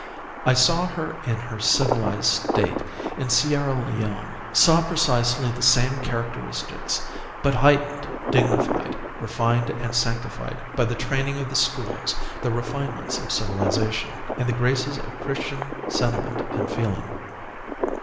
I saw her in her civilized state, in Sierra Leone; saw precisely the same characteristics, but heightened, dignified, refined, and sanctified by the training of the schools, the refinements of civilization, and the graces of Christian sentiment and feeling.